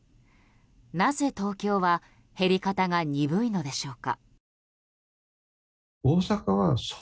なぜ東京は減り方が鈍いのでしょうか。